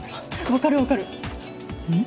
分かる分かるうん？